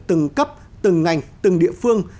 từng cấp từng ngành từng địa phương